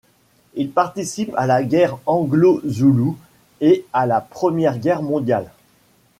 Il participe à la guerre anglo-zouloue et à la Première Guerre mondiale.